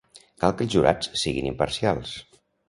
Cal que els jurats siguin imparcials.